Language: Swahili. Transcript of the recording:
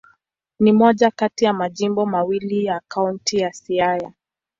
Ni moja kati ya majimbo mawili ya Kaunti ya Siaya.